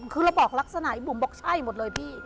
คือเราบอกลักษณะพี่บุ๋มบอกใช่หมดเลยพี่